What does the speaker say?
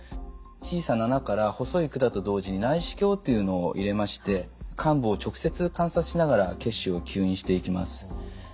小さな穴から細い管と同時に内視鏡というのを入れまして患部を直接観察しながら血腫を吸引していきます。